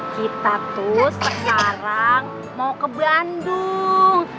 kita tuh sekarang mau ke bandung